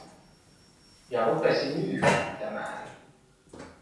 Ja rupesi nyyhkyttämään.